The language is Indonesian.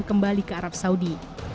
kembali ke arab saudi